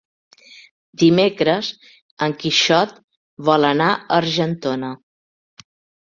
Dimecres en Quixot vol anar a Argentona.